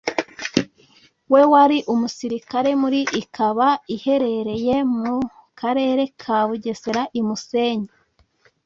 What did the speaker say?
we wari umusirikare muri ikaba iherereye mu karere ka bugesera i musenyi